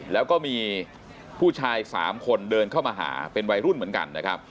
แล้วก็มีผู้ชาย๓คนเดินเข้ามาหาเป็นวัยรุ่นเหมือนกันนะครับ